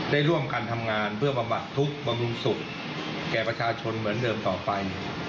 ได้ร่วมกันทำงานเพื่อบำบัดทุกข์บำรุงสุขแก่ประชาชนเหมือนเดิมต่อไป